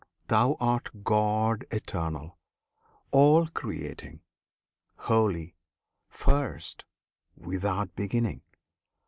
Thou art God Eternal, All creating, Holy, First, Without beginning!